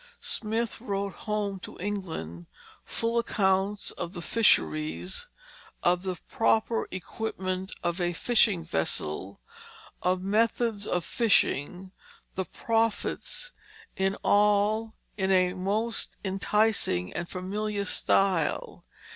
Smith wrote home to England full accounts of the fisheries, of the proper equipment of a fishing vessel, of the methods of fishing, the profits, all in a most enticing and familiar style.